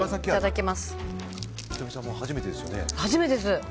初めてですよね。